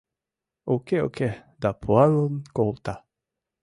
Уке-уке да пуалын колта.